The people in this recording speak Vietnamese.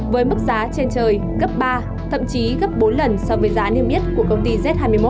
với mức giá trên trời cấp ba thậm chí gấp bốn lần so với giá niêm yết của công ty z hai mươi một